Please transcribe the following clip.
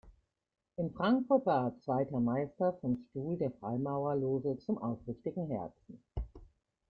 In Frankfurt war er zweiter Meister vom Stuhl der Freimaurerloge "Zum aufrichtigen Herzen".